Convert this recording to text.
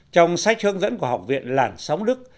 trong sách hướng dẫn của học viện làn sóng đức